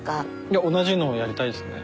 いや同じのをやりたいですね。